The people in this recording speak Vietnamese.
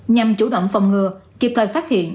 nhằm chủ động phòng ngừa kịp thời phát hiện